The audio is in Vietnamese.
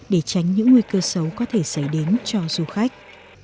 để tránh những nguy cơ xấu có thể xảy đến cho du khách